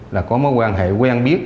là có mối quan hệ quen biết